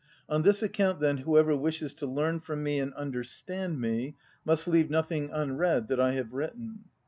On this account, then, whoever wishes to learn from me and understand me must leave nothing unread that I have written.